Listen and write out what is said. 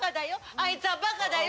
あいつはバカだよ。